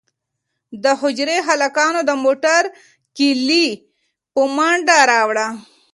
د حجرې هلکانو د موټر کیلي په منډه راوړه.